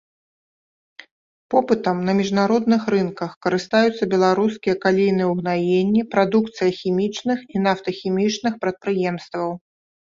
Попытам на міжнародных рынках карыстаюцца беларускія калійныя ўгнаенні, прадукцыя хімічных і нафтахімічных прадпрыемстваў.